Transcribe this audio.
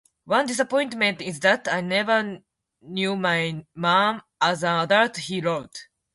One disappointment is that I never knew my mum as an adult, he wrote.